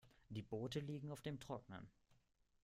Die Boote liegen auf dem Trockenen.